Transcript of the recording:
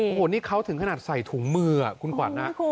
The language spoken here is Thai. โอ้โหนี่เขาถึงขนาดใส่ถุงมือคุณขวัญนะ